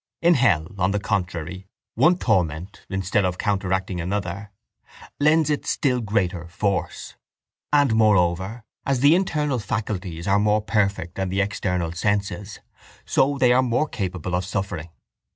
In hell, on the contrary, one torment, instead of counteracting another, lends it still greater force: and, moreover, as the internal faculties are more perfect than the external senses, so are they more capable of suffering.